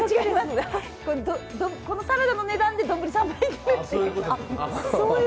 このサラダの値段で丼３杯いけるという。